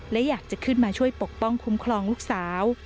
และอยากจะขึ้นมาช่วยปกป้องคุ้มครองลูกสาว